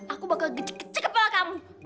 aku bakal gecek gecek kepala kamu